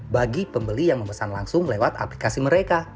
bagi pembeli yang memesan langsung lewat aplikasi mereka